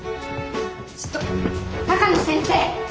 ちょっと鷹野先生！